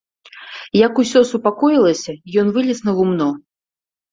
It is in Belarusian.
Як ўсё супакоілася, ён вылез на гумно.